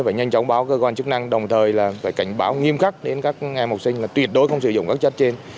phải nhanh chóng báo cơ quan chức năng đồng thời là phải cảnh báo nghiêm khắc đến các em học sinh là tuyệt đối không sử dụng các chất trên